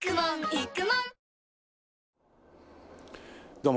どうも。